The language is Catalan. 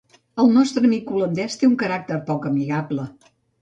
El nostre amic holandès té un caràcter poc amigable.